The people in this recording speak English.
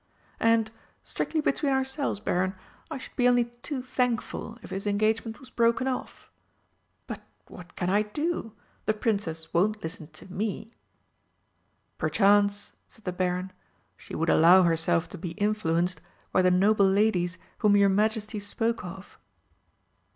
And strictly between ourselves, Baron I should be only too thankful if this engagement was broken off. But what can I do? The Princess won't listen to me!" "Perchance," said the Baron, "she would allow herself to be influenced by the noble ladies whom your Majesty spoke of."